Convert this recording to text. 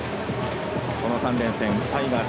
この３連戦タイガース